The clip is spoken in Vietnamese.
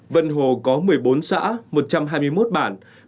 vân hồ có một mươi bốn xã